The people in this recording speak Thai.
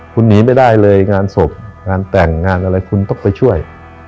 คุณหนีไม่ได้เลยงานศพงานแต่งงานอะไรคุณต้องไปช่วย